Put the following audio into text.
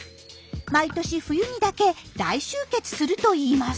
毎年冬にだけ大集結するといいます。